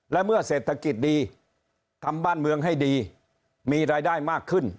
และเมื่อเศรษฐกิจดีทำบ้านเมืองให้ดีมีรายได้มากขึ้น